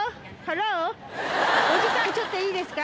お時間ちょっといいですか？